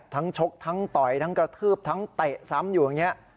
ชกทั้งต่อยทั้งกระทืบทั้งเตะซ้ำอยู่อย่างนี้